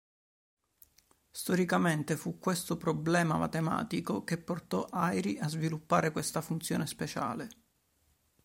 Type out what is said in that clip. Storicamente, fu questo problema matematico che portò Airy a sviluppare questa funzione speciale.